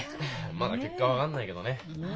まだ結果は分かんないけどね。